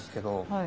はい。